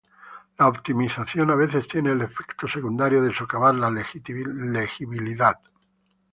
La optimización a veces tiene el efecto secundario de socavar la legibilidad.